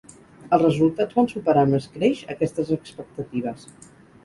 Els resultats van superar amb escreix aquestes expectatives.